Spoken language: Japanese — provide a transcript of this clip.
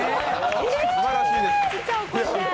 すばらしいです。